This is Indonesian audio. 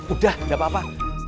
udah udah apa apa